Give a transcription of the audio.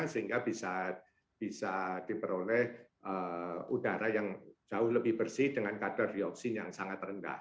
sehingga bisa diperoleh udara yang jauh lebih bersih dengan kadar dioksin yang sangat rendah